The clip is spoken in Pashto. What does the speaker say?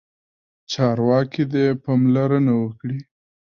چارواکي دې پاملرنه وکړي.